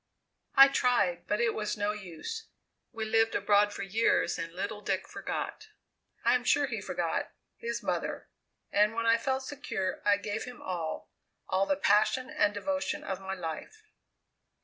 "I tried, but it was no use. We lived abroad for years, and little Dick forgot I am sure he forgot his mother, and when I felt secure I gave him all, all the passion and devotion of my life.